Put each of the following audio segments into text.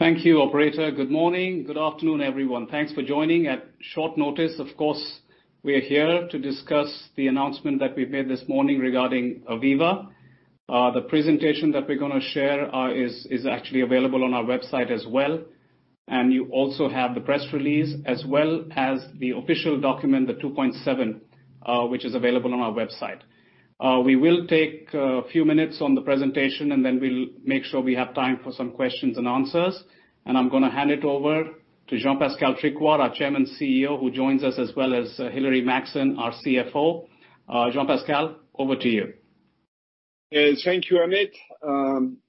Thank you, operator. Good morning, good afternoon, everyone. Thanks for joining at short notice. Of course, we are here to discuss the announcement that we made this morning regarding AVEVA. The presentation that we're gonna share is actually available on our website as well. You also have the press release as well as the official document, the Rule 2.7, which is available on our website. We will take a few minutes on the presentation, and then we'll make sure we have time for some questions and answers. I'm gonna hand it over to Jean-Pascal Tricoire, our Chairman CEO, who joins us as well as Hilary Maxson, our CFO. Jean-Pascal, over to you. Yes. Thank you, Amit.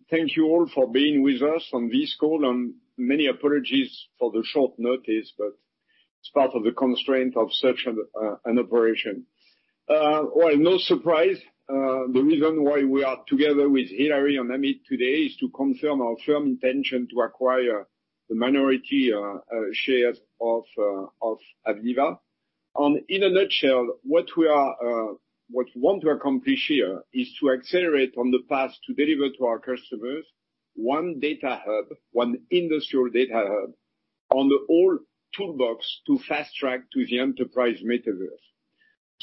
Thank you all for being with us on this call, and many apologies for the short notice, but it's part of the constraint of such an operation. Well, no surprise, the reason why we are together with Hilary and Amit today is to confirm our firm intention to acquire the minority shares of AVEVA. In a nutshell, what we want to accomplish here is to accelerate on the path to deliver to our customers one data hub, one industrial data hub on the whole toolbox to fast track to the enterprise metaverse.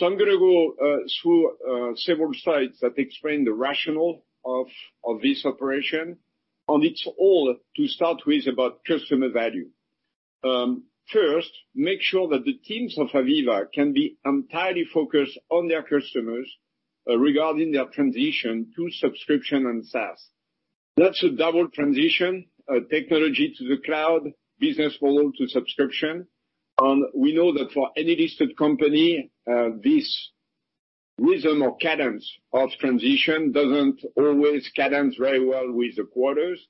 I'm gonna go through several slides that explain the rationale of this operation, and it's all to start with about customer value. First, make sure that the teams of AVEVA can be entirely focused on their customers regarding their transition to subscription and SaaS. That's a double transition, technology to the cloud, business model to subscription. We know that for any listed company, this rhythm or cadence of transition doesn't always cadence very well with the quarters.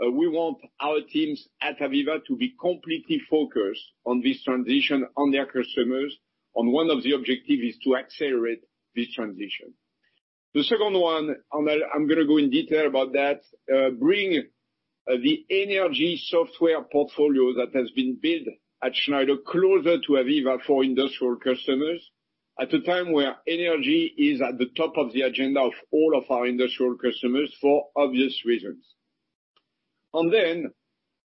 We want our teams at AVEVA to be completely focused on this transition on their customers, and one of the objective is to accelerate this transition. The second one, and I'm gonna go in detail about that, bring the energy software portfolio that has been built at Schneider closer to AVEVA for industrial customers at a time where energy is at the top of the agenda of all of our industrial customers for obvious reasons. Then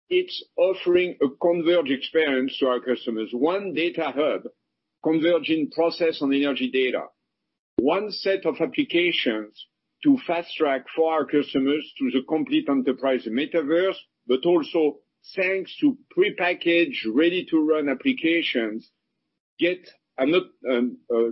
it's offering a converged experience to our customers. One data hub converging process on energy data. One set of applications to fast-track for our customers to the complete enterprise metaverse, but also thanks to prepackaged, ready-to-run applications, get a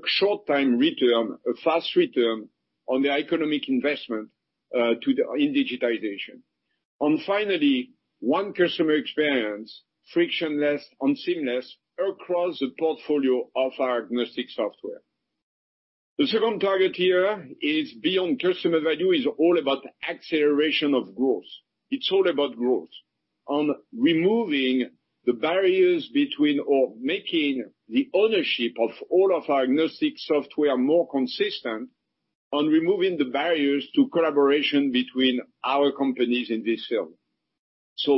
short-time return, a fast return on the economic investment to the ROI in digitization. Finally, one customer experience, frictionless and seamless across the portfolio of our agnostic software. The second target here is beyond customer value, is all about acceleration of growth. It's all about growth, on removing the barriers between, or making the ownership of all of our agnostic software more consistent, on removing the barriers to collaboration between our companies in this field.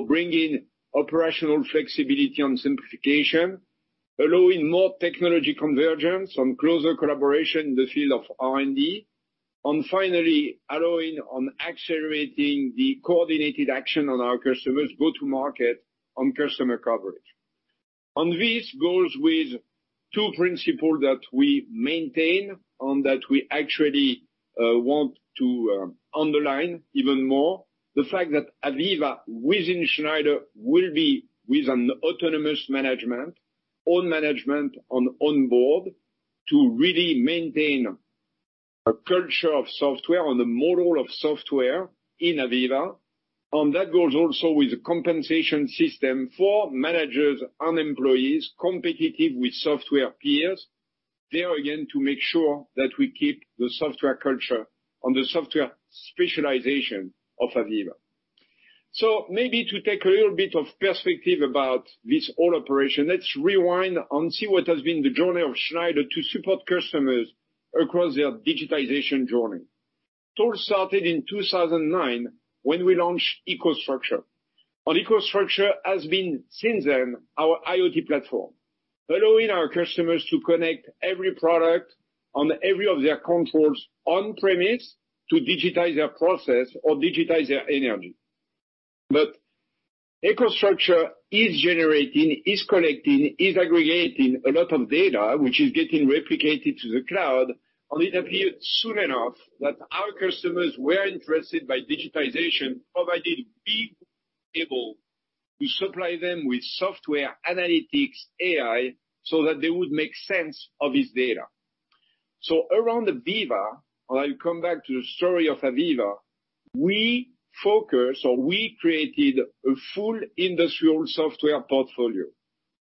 Bringing operational flexibility and simplification, allowing more technology convergence and closer collaboration in the field of R&D, and finally allowing accelerating the coordinated action on our customers go-to-market on customer coverage. This goes with two principles that we maintain, and that we actually want to underline even more. The fact that AVEVA within Schneider will be with an autonomous management, own management onboard to really maintain a culture of software and the model of software in AVEVA. That goes also with the compensation system for managers and employees competitive with software peers, there again, to make sure that we keep the software culture and the software specialization of AVEVA. Maybe to take a little bit of perspective about this whole operation, let's rewind and see what has been the journey of Schneider to support customers across their digitization journey. It all started in 2009 when we launched EcoStruxure, and EcoStruxure has been since then our IoT platform, allowing our customers to connect every product on every one of their controls on premise to digitize their process or digitize their energy. EcoStruxure is generating, is collecting, is aggregating a lot of data which is getting replicated to the cloud, and it appeared soon enough that our customers were interested in digitization, provided we were able to supply them with software, analytics, AI, so that they would make sense of this data. Around AVEVA, and I'll come back to the story of AVEVA, we focus or we created a full industrial software portfolio.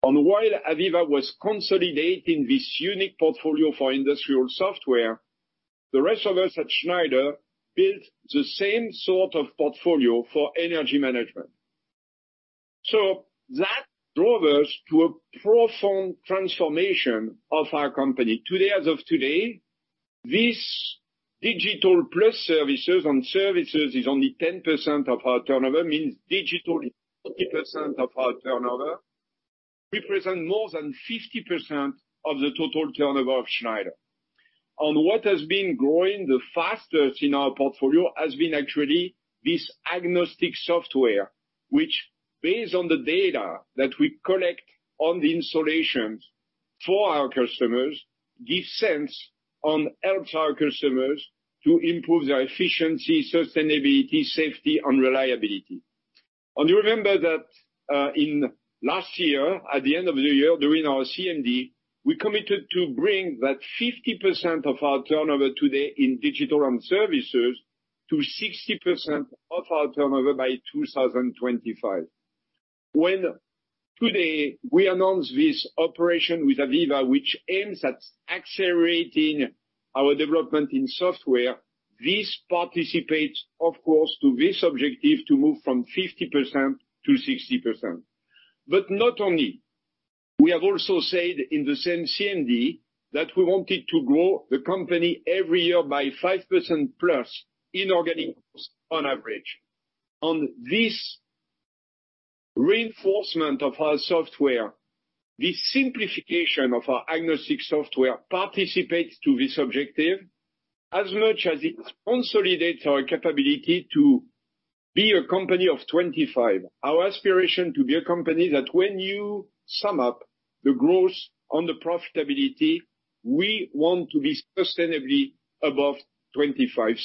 While AVEVA was consolidating this unique portfolio for industrial software, the rest of us at Schneider built the same sort of portfolio for energy management. That drove us to a profound transformation of our company. Today, as of today, this digital plus services, and services is only 10% of our turnover, means digital is 40% of our turnover represents more than 60% of the total turnover of Schneider. And what has been growing the fastest in our portfolio has been actually this agnostic software, which based on the data that we collect on the installations for our customers, gives sense and helps our customers to improve their efficiency, sustainability, safety and reliability. You remember that, in last year, at the end of the year during our CMD, we committed to bring that 50% of our turnover today in digital and services to 60% of our turnover by 2025. When, today, we announce this operation with AVEVA, which aims at accelerating our development in software, this participates, of course, to this objective to move from 50% to 60%. But not only, we have also said in the same CMD that we wanted to grow the company every year by 5%+ in organic growth on average. On this reinforcement of our software, this simplification of our agnostic software participates to this objective as much as it consolidates our capability to be a company of 25. Our aspiration to be a company that when you sum up the growth on the profitability, we want to be sustainably above 25.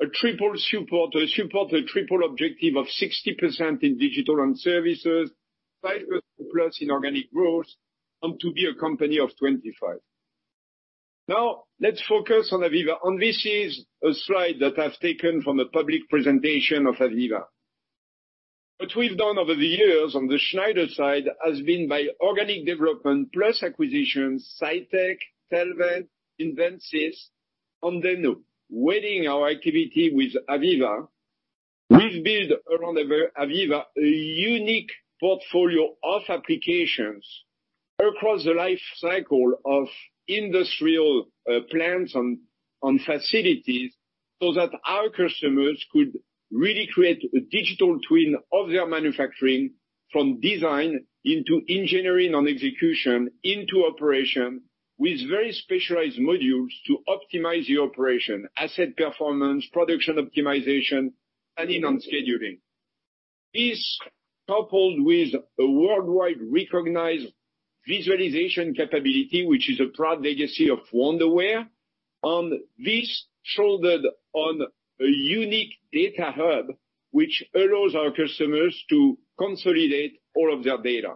A triple support, a support, a triple objective of 60% in digital and services, 5%+ in organic growth, and to be a company of 25. Now, let's focus on AVEVA, and this is a slide that I've taken from the public presentation of AVEVA. What we've done over the years on the Schneider side has been by organic development plus acquisitions, Citect, Telvent, Invensys, and then now wedding our activity with AVEVA, we've built around AVEVA a unique portfolio of applications across the life cycle of industrial plants and facilities, so that our customers could really create a digital twin of their manufacturing from design into engineering and execution into operation with very specialized modules to optimize the operation, asset performance, production optimization, and in on scheduling. This, coupled with a worldwide recognized visualization capability, which is a proud legacy of Wonderware, and this shouldered on a unique data hub which allows our customers to consolidate all of their data.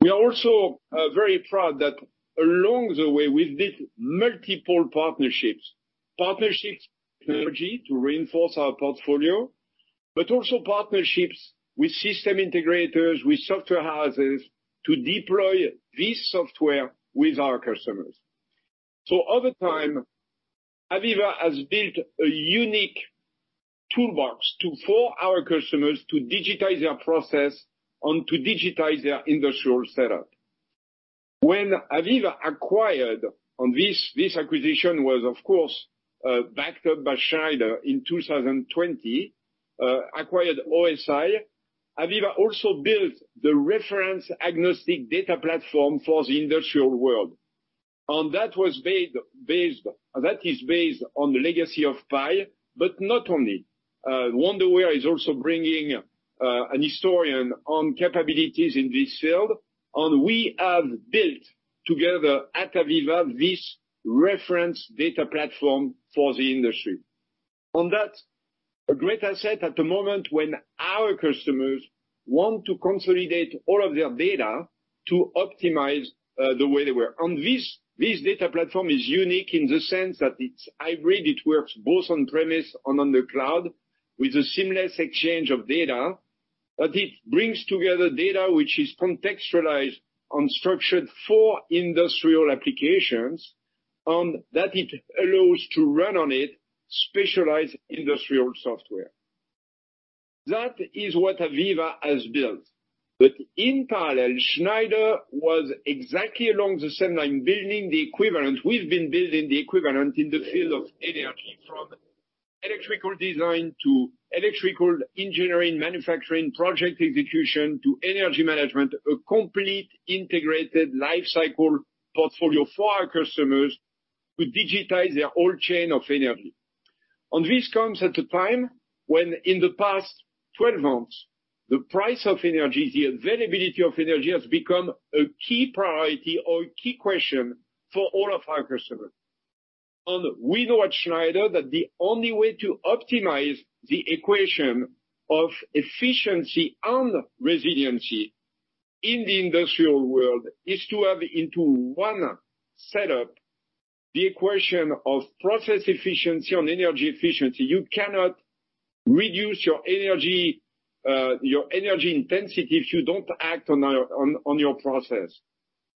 We are also very proud that along the way, we've built multiple partnerships. Partnerships technology to reinforce our portfolio, but also partnerships with system integrators, with software houses to deploy this software with our customers. Over time, AVEVA has built a unique toolbox to, for our customers to digitize their process and to digitize their industrial setup. When AVEVA acquired OSI, and this acquisition was of course backed up by Schneider in 2020, AVEVA also built the reference agnostic data platform for the industrial world. That was cloud-based, that is based on the legacy of PI, but not only. Wonderware is also bringing historian capabilities in this field, and we have built together at AVEVA this reference data platform for the industry. On that, a great asset at the moment when our customers want to consolidate all of their data to optimize the way they work. This data platform is unique in the sense that it's hybrid. It works both on-premise and on the cloud with a seamless exchange of data. That it brings together data which is contextualized and structured for industrial applications, and that it allows to run on it specialized industrial software. That is what AVEVA has built. In parallel, Schneider was exactly along the same line building the equivalent. We've been building the equivalent in the field of energy from electrical design to electrical engineering, manufacturing, project execution to energy management, a complete integrated life cycle portfolio for our customers to digitize their whole chain of energy. This comes at a time when in the past 12 months, the price of energy, the availability of energy, has become a key priority or a key question for all of our customers. We know at Schneider that the only way to optimize the equation of efficiency and resiliency in the industrial world is to have into one setup the equation of process efficiency and energy efficiency. You cannot reduce your energy, your energy intensity if you don't act on your process.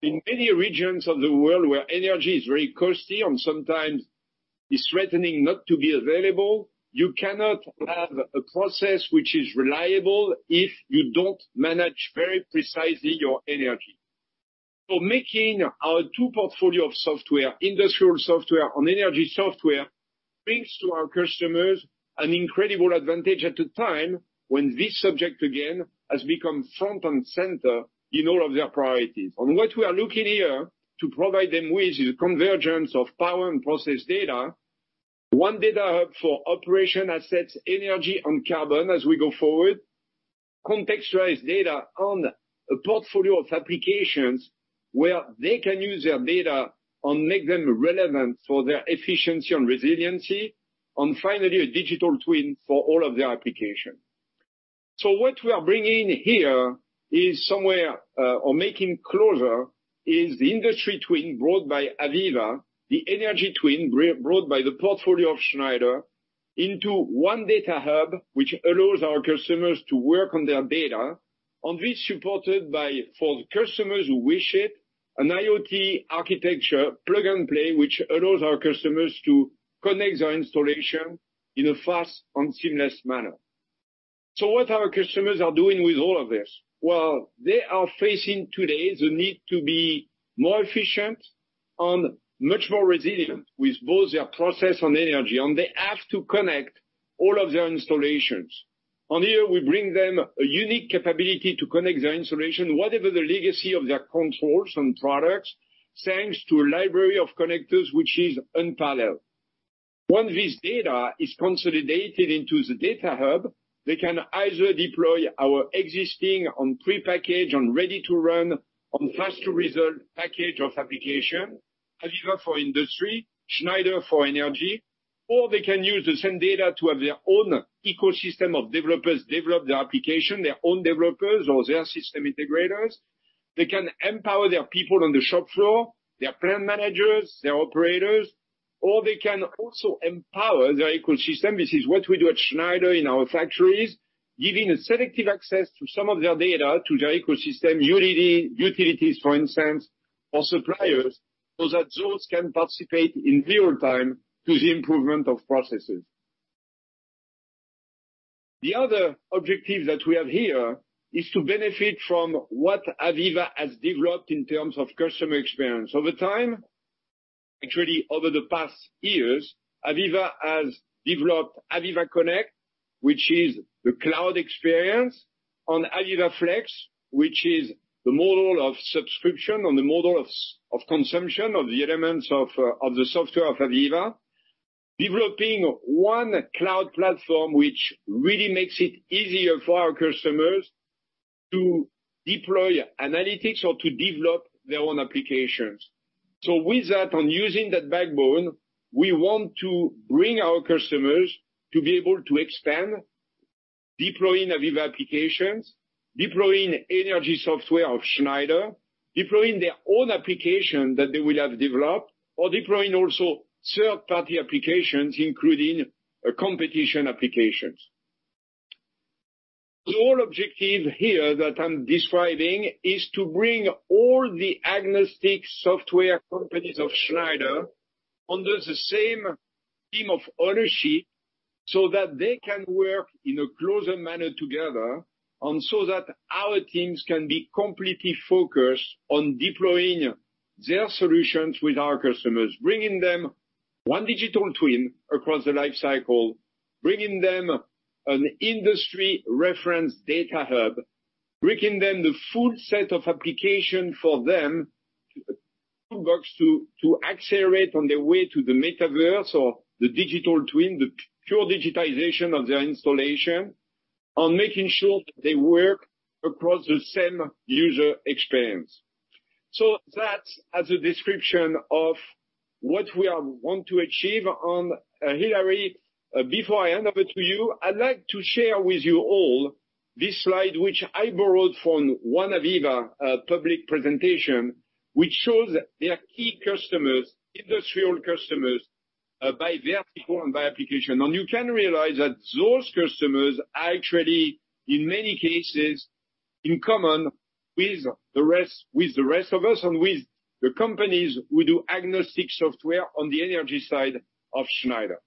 In many regions of the world where energy is very costly and sometimes is threatening not to be available, you cannot have a process which is reliable if you don't manage very precisely your energy. Making our two portfolio of software, industrial software and energy software, brings to our customers an incredible advantage at a time when this subject again has become front and center in all of their priorities. What we are looking here to provide them with is a convergence of power and process data. One data hub for operation assets, energy and carbon as we go forward. Contextualized data on a portfolio of applications where they can use their data and make them relevant for their efficiency and resiliency. Finally, a digital twin for all of their application. What we are bringing here is somewhere or making closer is the industry twin brought by AVEVA, the energy twin brought by the portfolio of Schneider into one data hub, which allows our customers to work on their data, and which supported by, for the customers who wish it, an IoT architecture plug-and-play, which allows our customers to connect their installation in a fast and seamless manner. What our customers are doing with all of this? Well, they are facing today the need to be more efficient and much more resilient with both their process and energy, and they have to connect all of their installations. On here, we bring them a unique capability to connect their installation, whatever the legacy of their controls and products, thanks to a library of connectors which is unparalleled. When this data is consolidated into the data hub, they can either deploy our existing and prepackaged and ready-to-run and fast to result package of application, AVEVA for industry, Schneider for energy, or they can use the same data to have their own ecosystem of developers develop their application, their own developers or their system integrators. They can empower their people on the shop floor, their plant managers, their operators, or they can also empower their ecosystem. This is what we do at Schneider in our factories, giving a selective access to some of their data to their ecosystem, utilities for instance, or suppliers, so that those can participate in real time to the improvement of processes. The other objective that we have here is to benefit from what AVEVA has developed in terms of customer experience. Over time, actually over the past years, AVEVA has developed AVEVA Connect, which is the cloud experience, and AVEVA Flex, which is the model of consumption of the elements of of the software of AVEVA, developing one cloud platform which really makes it easier for our customers to deploy analytics or to develop their own applications. With that, and using that backbone, we want to bring our customers to be able to expand, deploying AVEVA applications, deploying energy software of Schneider, deploying their own application that they will have developed or deploying also third-party applications, including competition applications. The whole objective here that I'm describing is to bring all the agnostic software companies of Schneider under the same team of ownership, so that they can work in a closer manner together, and so that our teams can be completely focused on deploying their solutions with our customers, bringing them one digital twin across the life cycle, bringing them an industry reference data hub, bringing them the full set of application for them, toolbox to accelerate on their way to the metaverse or the digital twin, the pure digitization of their installation, and making sure that they work across the same user experience. That's a description of what we want to achieve. Hilary, before I hand over to you, I'd like to share with you all this slide, which I borrowed from one AVEVA public presentation, which shows their key customers, industrial customers, by vertical and by application. You can realize that those customers are actually, in many cases, in common with the rest of us and with the companies who do agnostic software on the energy side of Schneider.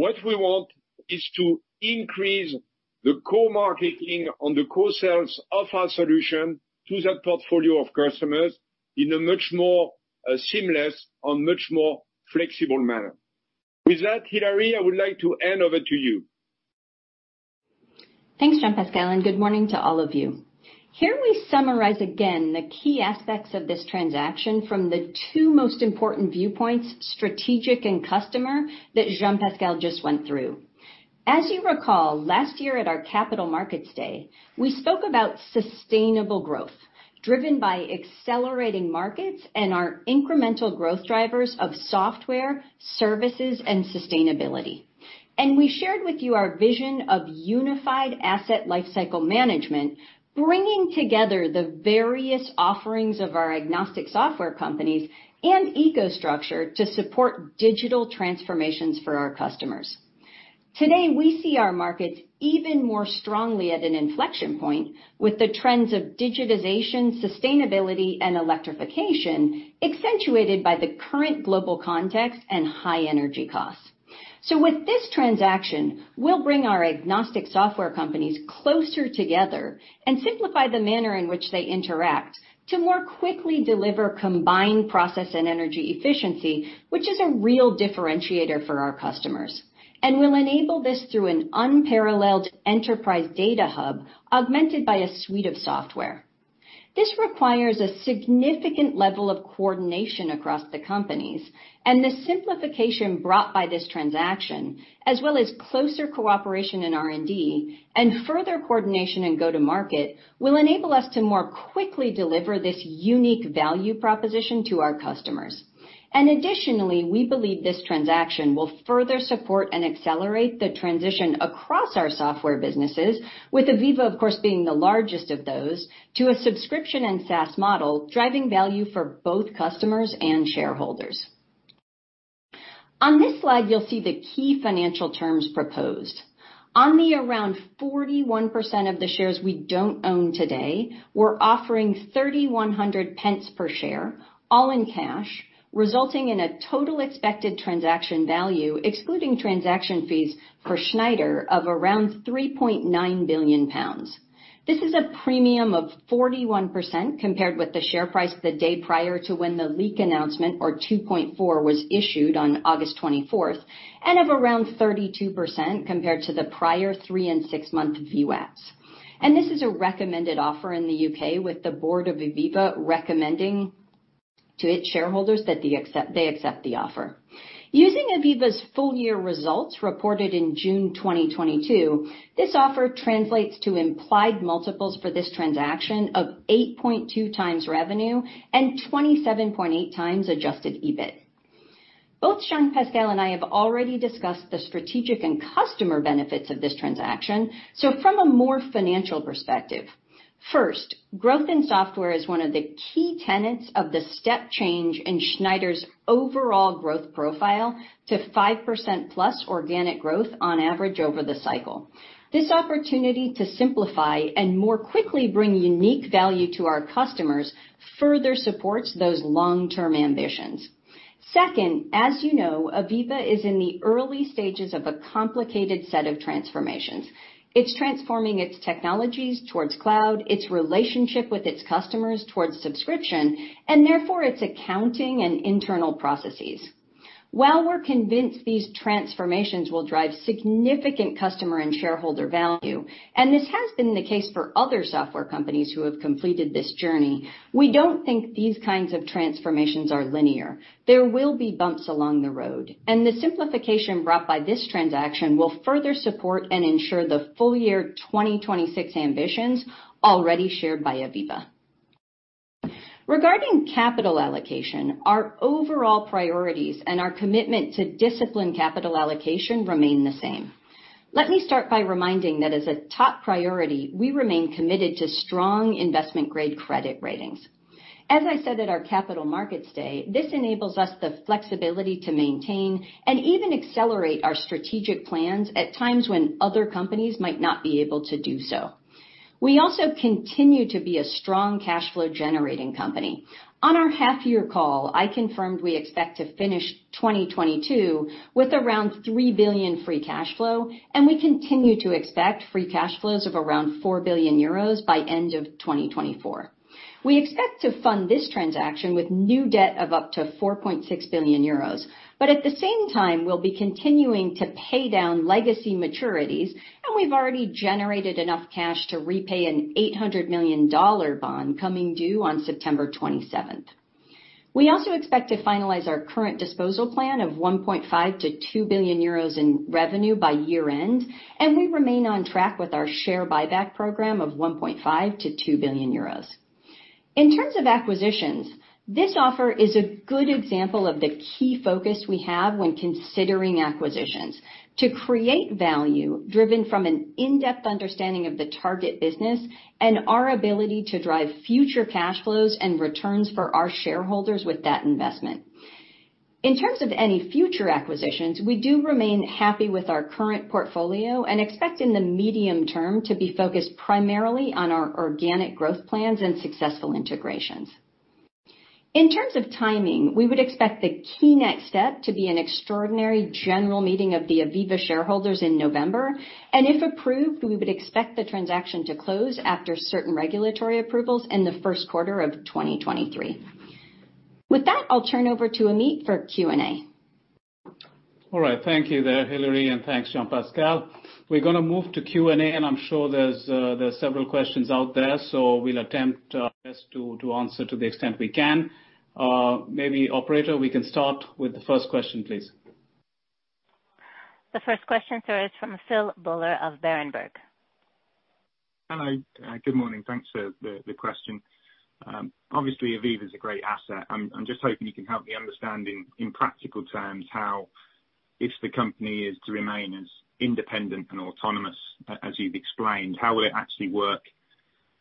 What we want is to increase the co-marketing and the co-sales of our solution to that portfolio of customers in a much more seamless and much more flexible manner. With that, Hilary, I would like to hand over to you. Thanks, Jean-Pascal, and good morning to all of you. Here we summarize again the key aspects of this transaction from the two most important viewpoints, strategic and customer, that Jean-Pascal just went through. As you recall, last year at our Capital Markets Day, we spoke about sustainable growth driven by accelerating markets and our incremental growth drivers of software, services, and sustainability. We shared with you our vision of unified asset lifecycle management, bringing together the various offerings of our agnostic software companies and EcoStruxure to support digital transformations for our customers. Today, we see our markets even more strongly at an inflection point with the trends of digitization, sustainability, and electrification accentuated by the current global context and high energy costs. With this transaction, we'll bring our agnostic software companies closer together and simplify the manner in which they interact to more quickly deliver combined process and energy efficiency, which is a real differentiator for our customers. We'll enable this through an unparalleled enterprise data hub, augmented by a suite of software. This requires a significant level of coordination across the companies, and the simplification brought by this transaction, as well as closer cooperation in R&D and further coordination and go-to-market, will enable us to more quickly deliver this unique value proposition to our customers. Additionally, we believe this transaction will further support and accelerate the transition across our software businesses, with AVEVA, of course, being the largest of those, to a subscription and SaaS model, driving value for both customers and shareholders. On this slide, you'll see the key financial terms proposed. On the around 41% of the shares we don't own today, we're offering 3,100 pence per share, all in cash, resulting in a total expected transaction value, excluding transaction fees for Schneider of around 3.9 billion pounds. This is a premium of 41% compared with the share price the day prior to when the leak announcement or Rule 2.4 was issued on August 24, and of around 32% compared to the prior 3- and 6-month VWAPs. This is a recommended offer in the UK, with the board of AVEVA recommending to its shareholders that they accept the offer. Using AVEVA's full-year results reported in June 2022, this offer translates to implied multiples for this transaction of 8.2x revenue and 27.8x adjusted EBIT. Both Jean-Pascal and I have already discussed the strategic and customer benefits of this transaction. From a more financial perspective. First, growth in software is one of the key tenets of the step change in Schneider's overall growth profile to 5%+ organic growth on average over the cycle. This opportunity to simplify and more quickly bring unique value to our customers further supports those long-term ambitions. Second, as you know, AVEVA is in the early stages of a complicated set of transformations. It's transforming its technologies towards cloud, its relationship with its customers towards subscription, and therefore its accounting and internal processes. While we're convinced these transformations will drive significant customer and shareholder value, and this has been the case for other software companies who have completed this journey, we don't think these kinds of transformations are linear. There will be bumps along the road, and the simplification brought by this transaction will further support and ensure the full year 2026 ambitions already shared by AVEVA. Regarding capital allocation, our overall priorities and our commitment to disciplined capital allocation remain the same. Let me start by reminding that as a top priority, we remain committed to strong investment-grade credit ratings. As I said at our Capital Markets Day, this enables us the flexibility to maintain and even accelerate our strategic plans at times when other companies might not be able to do so. We also continue to be a strong cash flow generating company. On our half year call, I confirmed we expect to finish 2022 with around 3 billion free cash flow, and we continue to expect free cash flows of around 4 billion euros by end of 2024. We expect to fund this transaction with new debt of up to 4.6 billion euros. At the same time, we'll be continuing to pay down legacy maturities, and we've already generated enough cash to repay a $800 million bond coming due on September 27th. We also expect to finalize our current disposal plan of 1.5-2 billion euros in revenue by year-end, and we remain on track with our share buyback program of 1.5-2 billion euros. In terms of acquisitions, this offer is a good example of the key focus we have when considering acquisitions. To create value driven from an in-depth understanding of the target business and our ability to drive future cash flows and returns for our shareholders with that investment. In terms of any future acquisitions, we do remain happy with our current portfolio and expect in the medium term to be focused primarily on our organic growth plans and successful integrations. In terms of timing, we would expect the key next step to be an extraordinary general meeting of the AVEVA shareholders in November. If approved, we would expect the transaction to close after certain regulatory approvals in the first quarter of 2023. With that, I'll turn over to Amit for Q&A. All right. Thank you there, Hillary, and thanks, Jean-Pascal. We're gonna move to Q&A, and I'm sure there's several questions out there, so we'll attempt best to answer to the extent we can. Maybe operator, we can start with the first question, please. The first question, sir, is from Phil Buller of Berenberg. Hello. Good morning. Thanks for the question. Obviously, AVEVA is a great asset. I'm just hoping you can help me understanding in practical terms how, if the company is to remain as independent and autonomous, as you've explained, how will it actually work.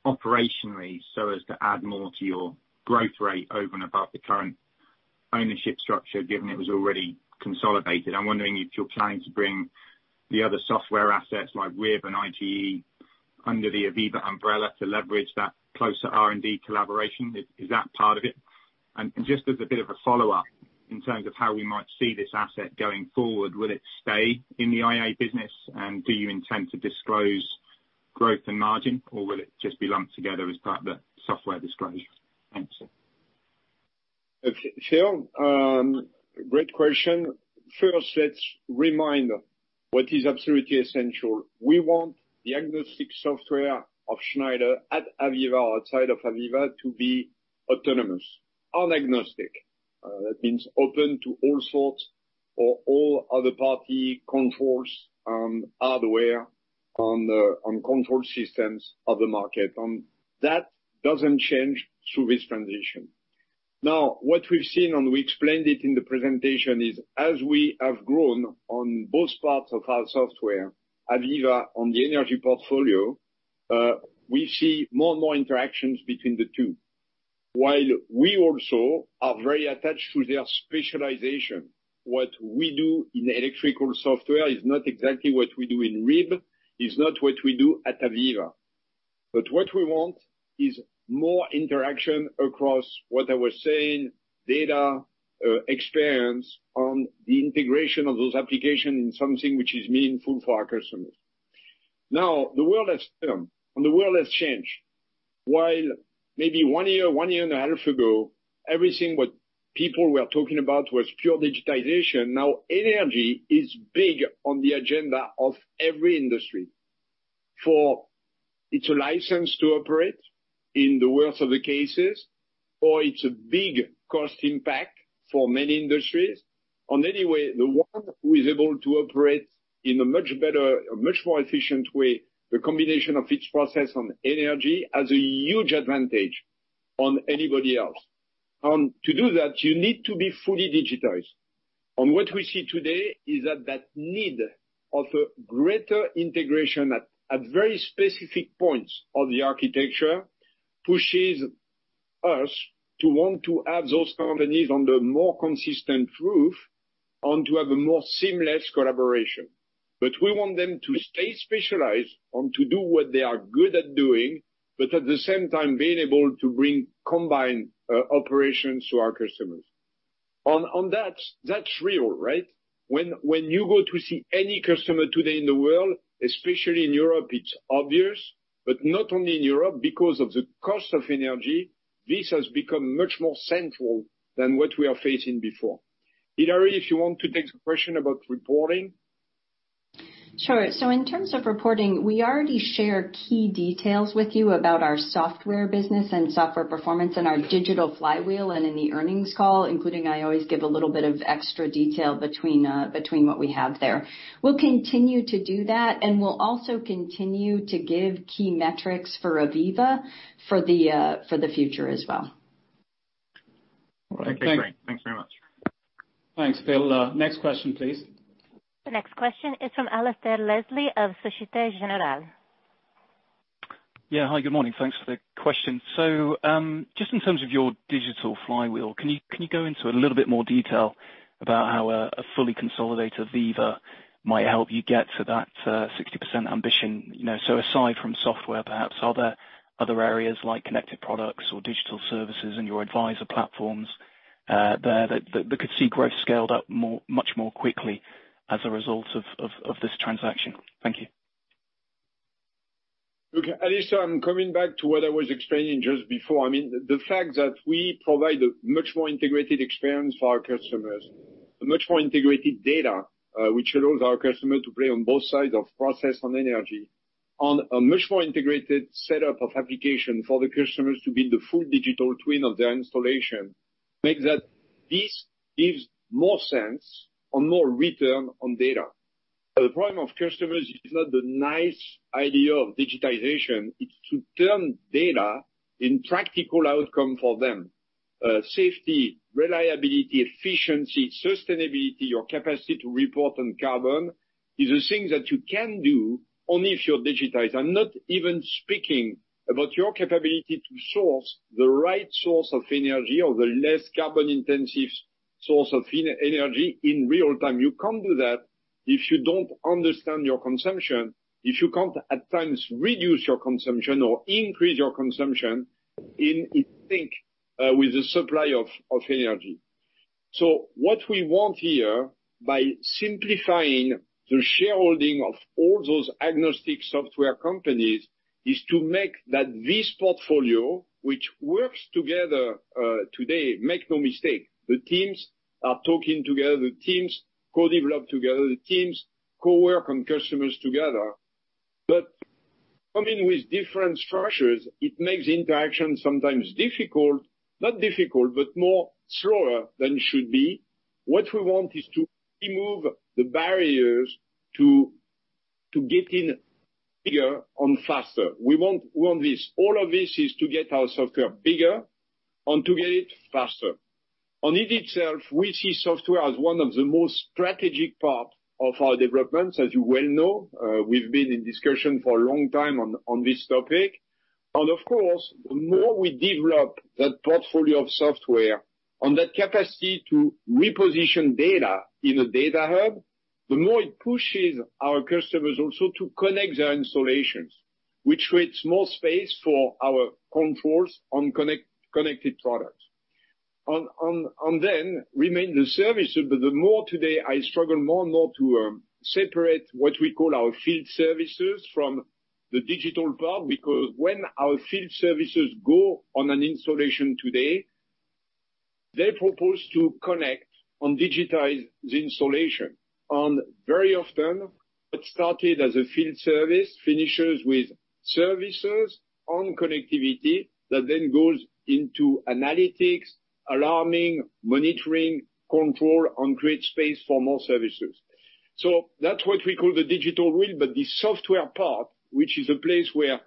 Operationally, so as to add more to your growth rate over and above the current ownership structure, given it was already consolidated, I'm wondering if you're planning to bring the other software assets like RIB and IGE+XAO under the AVEVA umbrella to leverage that closer R&D collaboration. Is that part of it? Just as a bit of a follow-up, in terms of how we might see this asset going forward, will it stay in the IA business and do you intend to disclose growth and margin, or will it just be lumped together as part of the software disclosure? Thanks. Phil, great question. First, let's remind what is absolutely essential. We want the agnostic software of Schneider at AVEVA, outside of AVEVA, to be autonomous. Agnostic, that means open to all sorts or all other party controls and hardware on control systems of the market. That doesn't change through this transition. Now, what we've seen, and we explained it in the presentation, is as we have grown on both parts of our software, AVEVA on the energy portfolio, we see more and more interactions between the two. While we also are very attached to their specialization, what we do in electrical software is not exactly what we do in RIB, is not what we do at AVEVA. What we want is more interaction across what I was saying, data, experience on the integration of those applications in something which is meaningful for our customers. Now, the world has turned and the world has changed. While maybe one year and a half ago, everything what people were talking about was pure digitization, now energy is big on the agenda of every industry. For it's a license to operate in the worst of the cases, or it's a big cost impact for many industries. Anyway, the one who is able to operate in a much better, much more efficient way, the combination of its process on energy has a huge advantage on anybody else. To do that, you need to be fully digitized. What we see today is that need of a greater integration at very specific points of the architecture pushes us to want to have those companies under more consistent roof and to have a more seamless collaboration. We want them to stay specialized and to do what they are good at doing, but at the same time, being able to bring combined operations to our customers. On that's real, right? When you go to see any customer today in the world, especially in Europe, it's obvious, but not only in Europe. Because of the cost of energy, this has become much more central than what we are facing before. Hilary, if you want to take the question about reporting. Sure. In terms of reporting, we already share key details with you about our software business and software performance in our Digital Flywheel and in the earnings call, including, I always give a little bit of extra detail beyond what we have there. We'll continue to do that, and we'll also continue to give key metrics for AVEVA for the future as well. All right. Thanks. Okay, great. Thanks very much. Thanks, Phil. Next question, please. The next question is from Alasdair Leslie of Société Générale. Yeah. Hi, good morning. Thanks for the question. Just in terms of your Digital Flywheel, can you go into a little bit more detail about how a fully consolidated AVEVA might help you get to that 60% ambition? You know, so aside from software, perhaps, are there other areas like connected products or digital services in your advisor platforms there that could see growth scaled up more, much more quickly as a result of this transaction? Thank you. Look, Alasdair, I'm coming back to what I was explaining just before. I mean, the fact that we provide a much more integrated experience for our customers, a much more integrated data, which allows our customer to play on both sides of process and energy, on a much more integrated setup of application for the customers to build the full digital twin of their installation, makes that this gives more sense or more return on data. The problem of customers is not the nice idea of digitization. It's to turn data into practical outcome for them. Safety, reliability, efficiency, sustainability, your capacity to report on carbon is a thing that you can do only if you're digitized. I'm not even speaking about your capability to source the right source of energy or the less carbon-intensive source of energy in real time. You can't do that if you don't understand your consumption, if you can't at times reduce your consumption or increase your consumption in sync with the supply of energy. What we want here, by simplifying the shareholding of all those agnostic software companies, is to make that this portfolio, which works together today, make no mistake, the teams are talking together. The teams co-develop together. The teams co-work on customers together. Coming with different structures, it makes interaction sometimes difficult. Not difficult, but more slower than it should be. What we want is to remove the barriers to get it bigger and faster. We want this. All of this is to get our software bigger and to get it faster. In itself, we see software as one of the most strategic part of our development. As you well know, we've been in discussion for a long time on this topic. Of course, the more we develop that portfolio of software on that capacity to reposition data in a data hub, the more it pushes our customers also to connect their installations, which creates more space for our controls on connected products. And then remain the services, but the more today I struggle more and more to separate what we call our field services from the digital part, because when our field services go on an installation today, they propose to connect and digitize the installation. Very often, what started as a field service finishes with services on connectivity that then goes into analytics, alarming, monitoring, control, and creates space for more services. That's what we call the Digital Flywheel, but the software part, which is a place where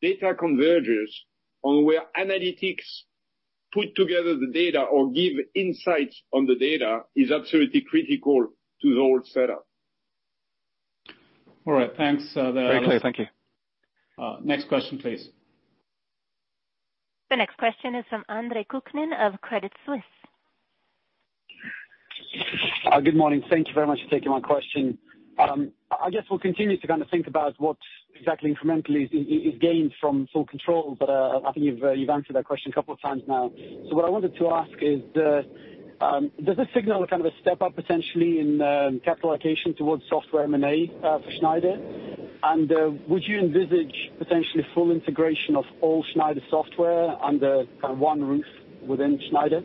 data converges and where analytics put together the data or give insights on the data, is absolutely critical to the whole setup. All right. Thanks, Very clear. Thank you. Next question, please. The next question is from Andre Kukhnin of Credit Suisse. Good morning. Thank you very much for taking my question. I guess we'll continue to kind of think about what exactly incrementally is gained from full control, but I think you've answered that question a couple of times now. What I wanted to ask is, does this signal a kind of a step up potentially in capital allocation towards software M&A for Schneider? Would you envisage potentially full integration of all Schneider software under kind of one roof within Schneider?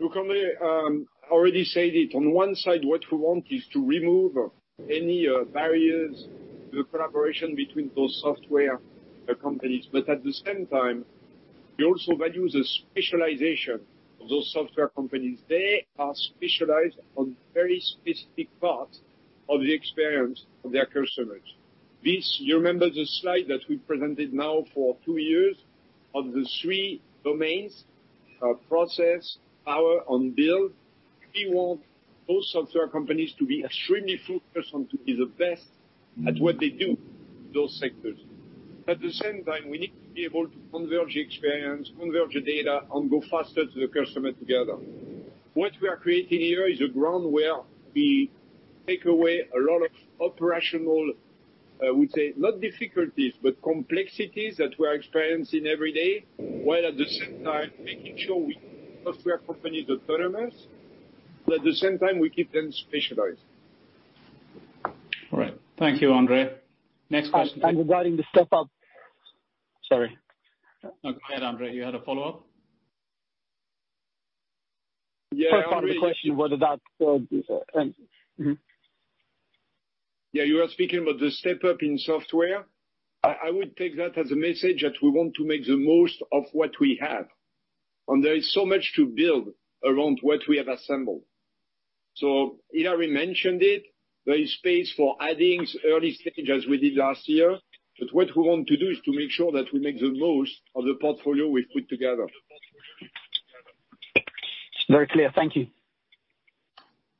Look, Andre, I already said it. On one side, what we want is to remove any, barriers to the collaboration between those software, companies. At the same time, we also value the specialization of those software companies. They are specialized on very specific parts of the experience of their customers. This, you remember the slide that we presented now for two years of the three domains, process, power and build. We want those software companies to be extremely focused on to be the best at what they do in those sectors. At the same time, we need to be able to converge experience, converge the data, and go faster to the customer together. What we are creating here is a ground where we take away a lot of operational, I would say, not difficulties, but complexities that we're experiencing every day. While at the same time making sure our software companies autonomous, but at the same time we keep them specialized. All right. Thank you, Andre. Next question. Regarding the step up. Sorry. No, go ahead, Andre, you had a follow-up? Yeah. First part of the question, whether that is answered. Yeah, you are speaking about the step-up in software. I would take that as a message that we want to make the most of what we have. There is so much to build around what we have assembled. Hilary mentioned it. There is space for add-ons early stage as we did last year. What we want to do is to make sure that we make the most of the portfolio we've put together. Very clear. Thank you.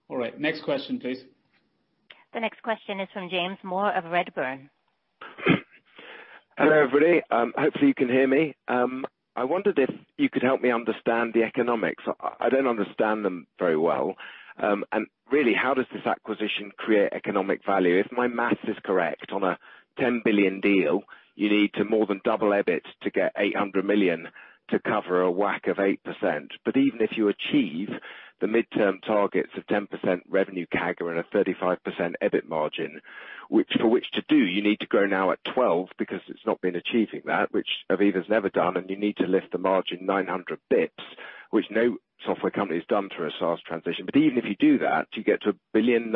All right. Next question please. The next question is from James Moore of Redburn. Hello, everybody. Hopefully you can hear me. I wondered if you could help me understand the economics. I don't understand them very well. Really, how does this acquisition create economic value? If my math is correct, on a 10 billion deal, you need to more than double EBIT to get 800 million to cover a WACC of 8%. Even if you achieve the midterm targets of 10% revenue CAGR and a 35% EBIT margin, which to do, you need to grow now at 12% because it's not been achieving that, which AVEVA's never done, and you need to lift the margin 900 basis points, which no software company has done through a SaaS transition. Even if you do that, you get to 1.9 billion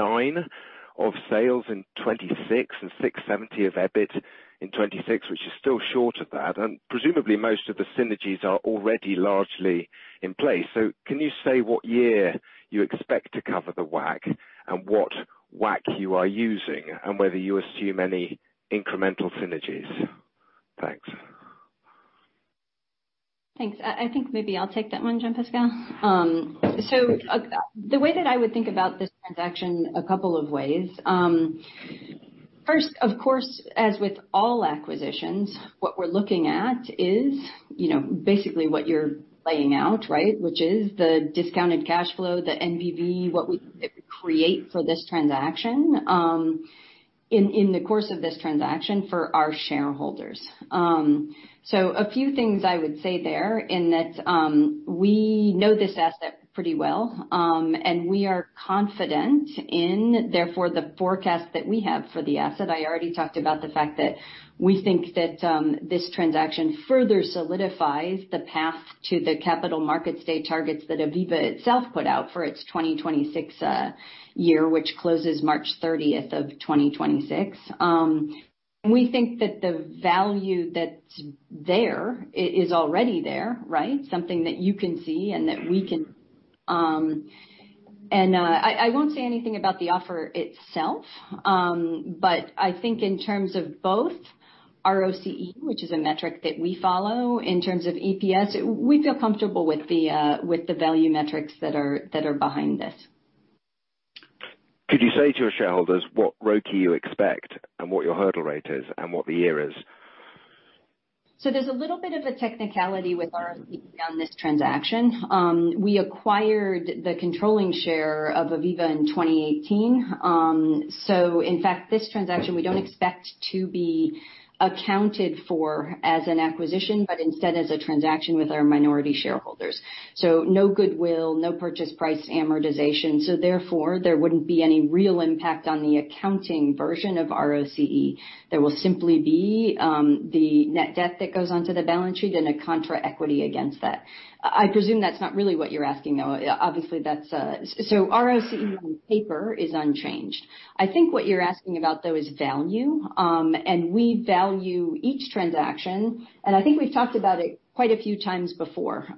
of sales in 2026 and 670 million of EBIT in 2026, which is still short of that. Presumably most of the synergies are already largely in place. Can you say what year you expect to cover the whack and what whack you are using, and whether you assume any incremental synergies? Thanks. Thanks. I think maybe I'll take that one, Jean-Pascal. The way that I would think about this transaction a couple of ways. First, of course, as with all acquisitions, what we're looking at is, you know, basically what you're laying out, right? Which is the discounted cash flow, the NBV, what we create for this transaction, in the course of this transaction for our shareholders. A few things I would say there in that, we know this asset pretty well, and we are confident in therefore the forecast that we have for the asset. I already talked about the fact that we think that, this transaction further solidifies the path to the Capital Markets Day targets that AVEVA itself put out for its 2026 year, which closes March thirtieth of 2026. We think that the value that's there is already there, right? Something that you can see and that we can. I won't say anything about the offer itself. I think in terms of both ROCE, which is a metric that we follow in terms of EPS, we feel comfortable with the value metrics that are behind this. Could you say to your shareholders what ROCE you expect and what your hurdle rate is and what the year is? There's a little bit of a technicality with ROCE on this transaction. We acquired the controlling share of AVEVA in 2018. In fact, this transaction we don't expect to be accounted for as an acquisition, but instead as a transaction with our minority shareholders. No goodwill, no purchase price amortization. There wouldn't be any real impact on the accounting version of ROCE. There will simply be the net debt that goes onto the balance sheet and a contra equity against that. I presume that's not really what you're asking, though. Obviously, that's. ROCE on paper is unchanged. I think what you're asking about, though, is value. We value each transaction, and I think we've talked about it quite a few times before.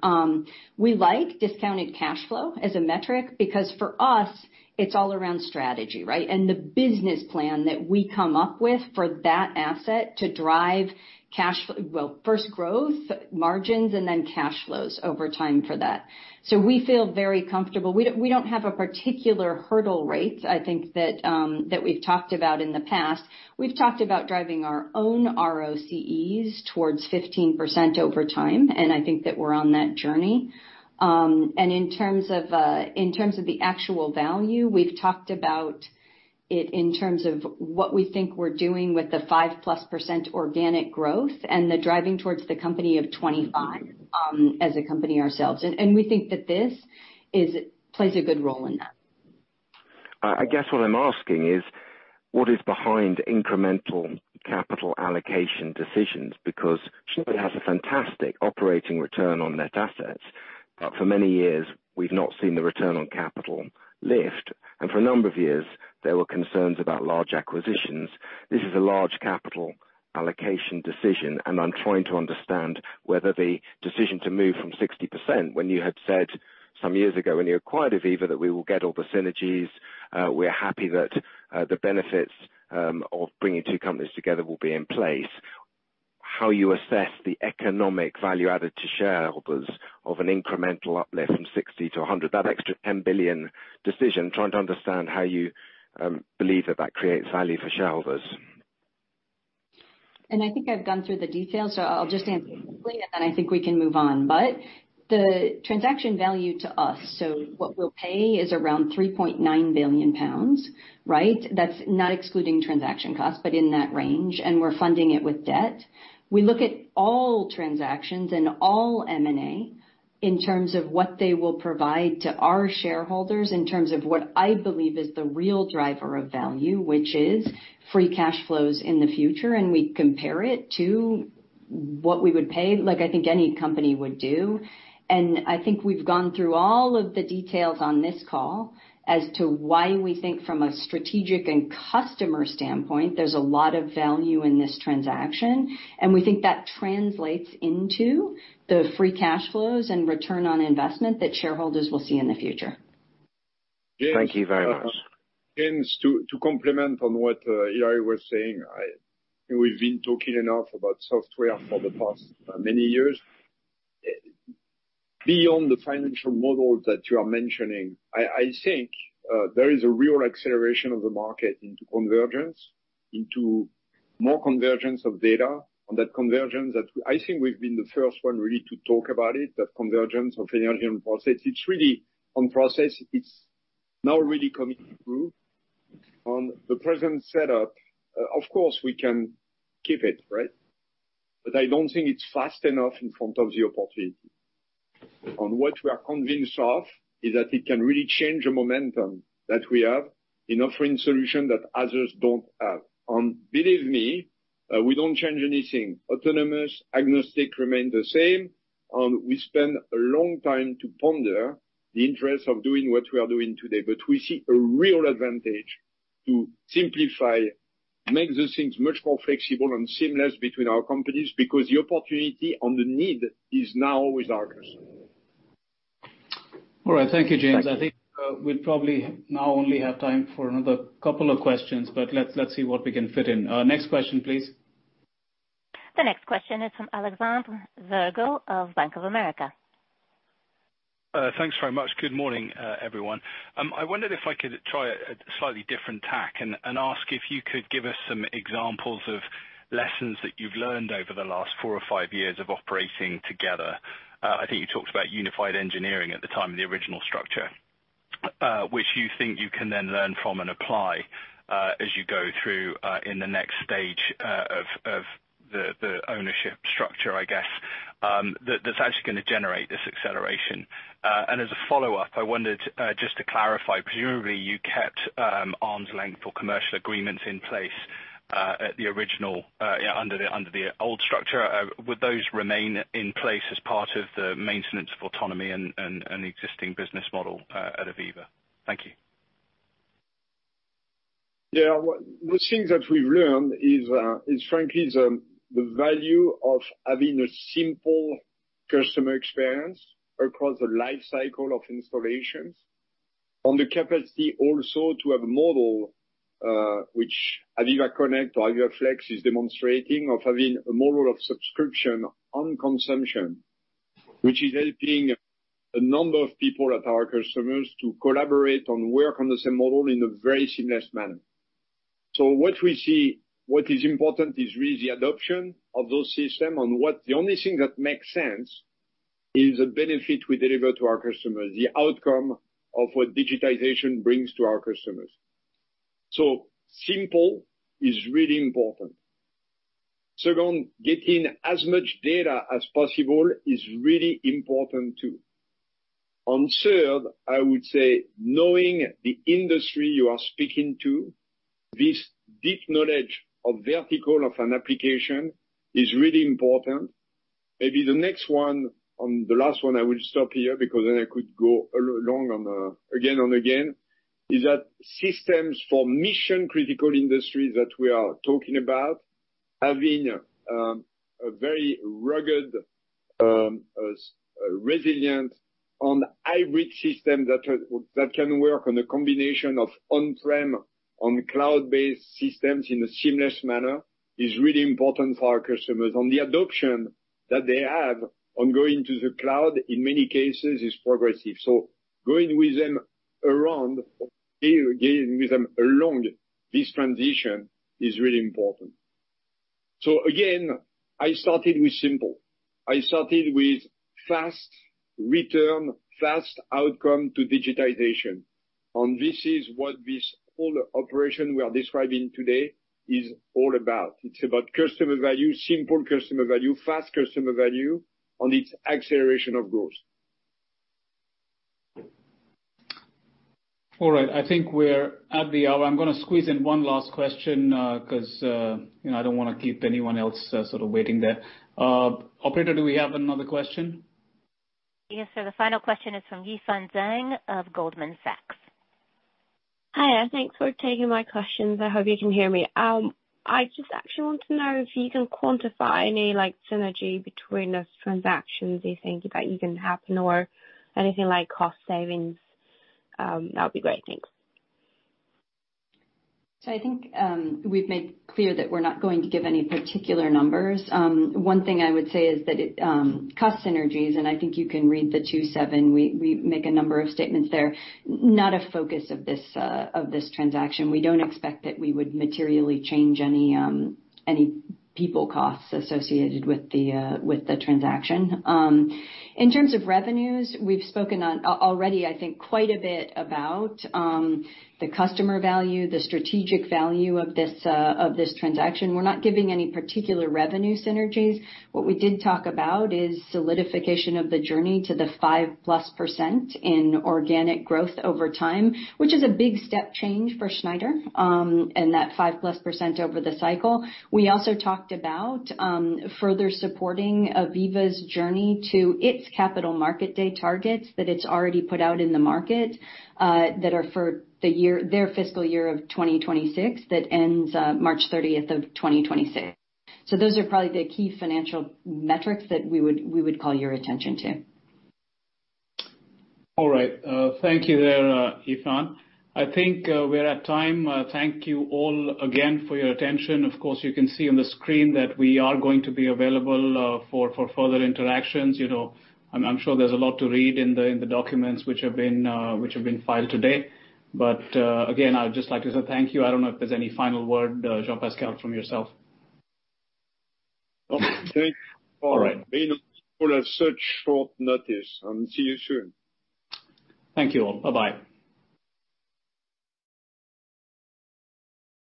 We like discounted cash flow as a metric because for us, it's all around strategy, right? The business plan that we come up with for that asset to drive first growth margins and then cash flows over time for that. We feel very comfortable. We don't have a particular hurdle rate, I think, that we've talked about in the past. We've talked about driving our own ROCEs towards 15% over time, and I think that we're on that journey. In terms of the actual value, we've talked about it in terms of what we think we're doing with the 5%+ organic growth and the driving towards the company of 25, as a company ourselves. We think that this plays a good role in that. I guess what I'm asking is, what is behind incremental capital allocation decisions? Because Schneider has a fantastic operating return on net assets. For many years, we've not seen the return on capital lift, and for a number of years, there were concerns about large acquisitions. This is a large capital allocation decision, and I'm trying to understand whether the decision to move from 60% when you had said some years ago when you acquired AVEVA that we will get all the synergies, we are happy that, the benefits, of bringing two companies together will be in place. How you assess the economic value added to shareholders of an incremental uplift from 60% to 100%, that extra 10 billion decision, trying to understand how you, believe that that creates value for shareholders. I think I've gone through the details, so I'll just answer quickly, and then I think we can move on. The transaction value to us, so what we'll pay is around 3.9 billion pounds, right? That's not excluding transaction costs, but in that range, and we're funding it with debt. We look at all transactions and all M&A in terms of what they will provide to our shareholders in terms of what I believe is the real driver of value, which is free cash flows in the future, and we compare it to what we would pay, like I think any company would do. I think we've gone through all of the details on this call as to why we think from a strategic and customer standpoint, there's a lot of value in this transaction, and we think that translates into the free cash flows and return on investment that shareholders will see in the future. Thank you very much. James, to comment on what Hilary was saying, I think we've been talking enough about software for the past many years. Beyond the financial model that you are mentioning, I think there is a real acceleration of the market into convergence, into more convergence of data. On that convergence, I think we've been the first one really to talk about it, that convergence of engineering process. It's really on process. It's now really coming through. On the present setup, of course, we can keep it, right? But I don't think it's fast enough in front of the opportunity. On what we are convinced of is that it can really change the momentum that we have in offering solution that others don't have. Believe me, we don't change anything. Automation, agnostic remain the same. We spend a long time to ponder the interest of doing what we are doing today. We see a real advantage to simplify, make those things much more flexible and seamless between our companies, because the opportunity and the need is now with ours. All right. Thank you, James. I think we'll probably now only have time for another couple of questions, but let's see what we can fit in. Next question, please. The next question is from Alexander Virgo of Bank of America. Thanks very much. Good morning, everyone. I wondered if I could try a slightly different tack and ask if you could give us some examples of lessons that you've learned over the last four or five years of operating together. I think you talked about unified engineering at the time of the original structure, which you think you can then learn from and apply as you go through in the next stage of the ownership structure, I guess, that's actually gonna generate this acceleration. As a follow-up, I wondered just to clarify, presumably you kept arm's length for commercial agreements in place at the original under the old structure. Would those remain in place as part of the maintenance of autonomy and the existing business model at AVEVA? Thank you. Yeah. The thing that we've learned is frankly the value of having a simple customer experience across the life cycle of installations. On the capacity also to have a model which AVEVA Connect or AVEVA Flex is demonstrating of having a model of subscription on consumption which is helping a number of people that are our customers to collaborate on work on the same model in a very seamless manner. What we see what is important is really the adoption of those systems and what the only thing that makes sense is the benefit we deliver to our customers the outcome of what digitization brings to our customers. Simple is really important. Second, getting as much data as possible is really important too. Third, I would say knowing the industry you are speaking to, this deep knowledge of verticals and applications is really important. Maybe the next one, or the last one I will stop here because then I could go long on, again and again, is that systems for mission-critical industries that we are talking about, having a very rugged, resilient and hybrid system that can work on a combination of on-prem, on cloud-based systems in a seamless manner is really important for our customers. The adoption that they have of going to the cloud, in many cases, is progressive. Going with them along this transition is really important. Again, I started with simple. I started with fast return, fast outcome to digitization. This is what this whole operation we are describing today is all about. It's about customer value, simple customer value, fast customer value, and its acceleration of growth. All right. I think we're at the hour. I'm gonna squeeze in one last question, 'cause, you know, I don't wanna keep anyone else, sort of waiting there. Operator, do we have another question? Yes, sir. The final question is from Yifan Zhang of Goldman Sachs. Hi. Thanks for taking my questions. I hope you can hear me. I just actually want to know if you can quantify any, like, synergy between the transactions you think that you can happen or anything like cost savings, that would be great. Thanks. I think we've made clear that we're not going to give any particular numbers. One thing I would say is that cost synergies, and I think you can read the Rule 2.7, we make a number of statements there. Not a focus of this transaction. We don't expect that we would materially change any people costs associated with the transaction. In terms of revenues, we've spoken on already, I think, quite a bit about the customer value, the strategic value of this transaction. We're not giving any particular revenue synergies. What we did talk about is solidification of the journey to the 5%+ in organic growth over time, which is a big step change for Schneider, and that 5%+ over the cycle. We also talked about further supporting AVEVA's journey to its Capital Markets Day targets that it's already put out in the market, that are for the year, their fiscal year of 2026, that ends March thirtieth of 2026. Those are probably the key financial metrics that we would call your attention to. All right. Thank you there, Yifan. I think we're at time. Thank you all again for your attention. Of course, you can see on the screen that we are going to be available for further interactions. You know, I'm sure there's a lot to read in the documents which have been filed today. Again, I'd just like to say thank you. I don't know if there's any final word, Jean-Pascal, from yourself. Okay. Thanks for. All right. Being on such short notice, and see you soon. Thank you all. Bye-bye.